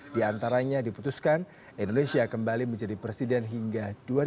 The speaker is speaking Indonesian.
di antaranya diputuskan indonesia kembali menjadi presiden hingga dua ribu dua puluh